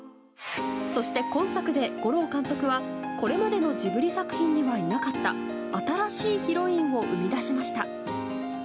そして今作で吾朗監督はこれまでのジブリ作品にはいなかった新しいヒロインを生み出しました。